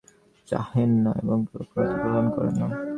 তাঁহারা কখনও পিছনে ফিরিয়া চাহেন না এবং লোকমত গ্রাহ্যও করেন না।